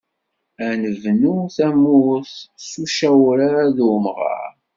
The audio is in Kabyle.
Ad nebnu tamurt, s ucawrar d umɣaṛ.